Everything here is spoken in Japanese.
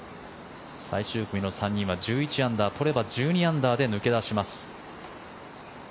最終組の３人は１１アンダー取れば１２アンダーで抜け出します。